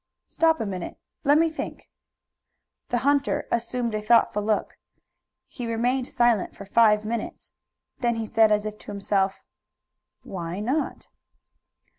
"Stop a minute! Let me think!" The hunter assumed a thoughtful look. He remained silent for five minutes. Then he said, as if to himself: "Why not?"